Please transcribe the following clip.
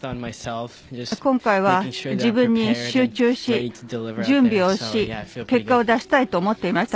今回は自分に集中し準備をし、結果を出したいと思っていました。